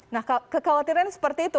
nah kekhawatiran seperti itu